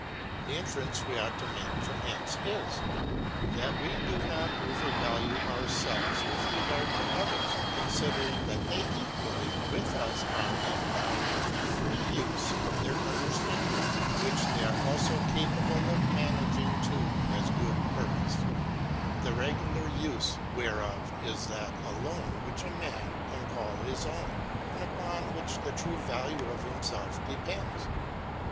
The Inference we ought to make from hence is, that we do not over value our felves with regard to others, confidering that/Z?^v equally with us are, endowed with a free Ufe of their Underftandino^^ which they are alfo capable of managing to as gcod Purpofe , the regular Ufe whereof is that a lone which a Man can call his own^ and upon w^hich the true Value of Himf ^lf depends.